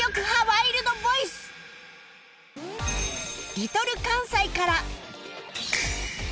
Ｌｉｌ かんさいから